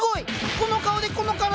この顔でこの体！